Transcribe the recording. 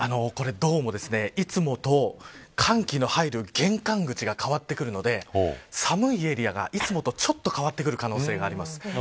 どうも、いつもと寒気の入る玄関口が変わってくるので寒いエリアがいつもとちょっと変わってくる可能性があります。